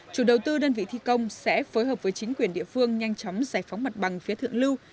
chủ đầu tư đơn vị thi công sẽ phối hợp với chính quyền địa phương nhanh chóng giải phóng mặt bằng phía thượng lưu